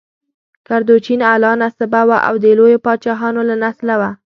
کردوچین اعلی نسبه وه او د لویو پاچاهانو له نسله وه.